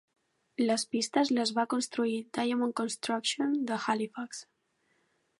Les pistes les va construir Diamond Construction de Halifax.